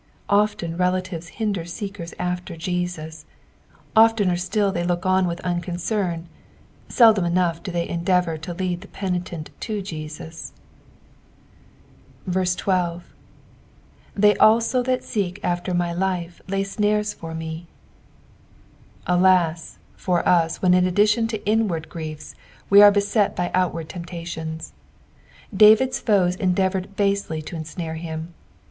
Often relatives hinder seekera after Jesus, ofteuer still they look on with unconcern, seldom enoogh do they endeavour to lead the penitent to Jesus. 13. "Theyataa that teek after my life lay nuiret for me." Alas I for us when in addition to inward griefs, we are beset by outward temptations. David's foes endeavoured basely to ensnare htm.